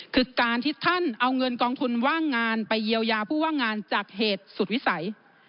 คือการที่ท่านเอาเงินกองทุนว่างงานไปเยียวยาผู้ว่างงานจากเหตุสุดวิสัย